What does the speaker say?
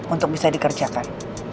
untuk bisa dikerjakan